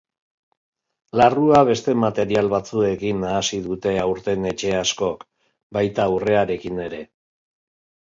Larrua beste material batzuekin nahasi dute aurten etxe askok, baita urrearekin ere.